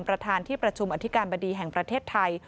ประธานที่ประชุมอธิการบดีแห่งประเทศไทย